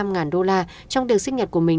hai mươi năm ngàn đô la trong tiệc sinh nhật của mình